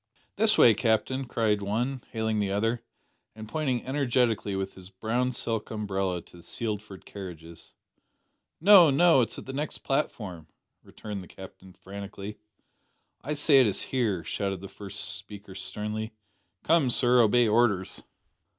"This way, Captain," cried one, hailing the other, and pointing energetically with his brown silk umbrella to the Sealford carriages. "No, no. It's at the next platform," returned the Captain frantically. "I say it is here," shouted the first speaker sternly. "Come, sir, obey orders!"